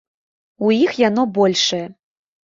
У іх яно большае.